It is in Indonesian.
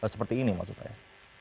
seperti ini maksud saya